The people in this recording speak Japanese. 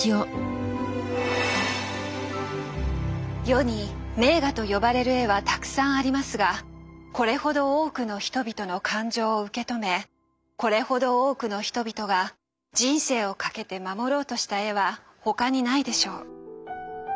世に名画と呼ばれる絵はたくさんありますがこれほど多くの人々の感情を受け止めこれほど多くの人々が人生を懸けて守ろうとした絵は他にないでしょう。